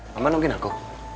mama nungguin aku